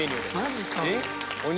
マジか。